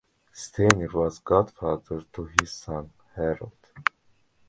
Steiner was godfather to his son Harald.